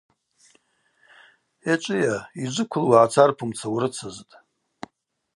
Йачӏвыйа – йджвыквылуа гӏацарпумца урыцызтӏ.